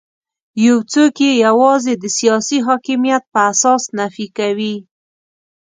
یو څوک یې یوازې د سیاسي حاکمیت په اساس نفي کوي.